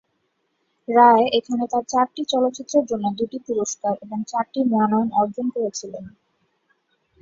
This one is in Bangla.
রায় এখানে তাঁর চারটি চলচ্চিত্রের জন্য দুটি পুরস্কার এবং চারটি মনোনয়ন অর্জন করেছিলেন।